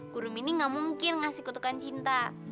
guru mini gak mungkin ngasih kutukan cinta